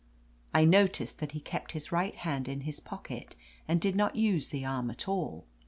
I noticed that he kept his right hand in his pocket, and did not use the arm at all.